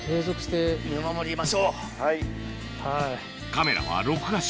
カメラは録画式